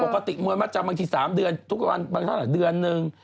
มวยมัดจำบางที๓เดือนทุกวันบางเท่าไหร่เดือนนึง